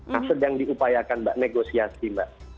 nah sedang diupayakan mbak negosiasi mbak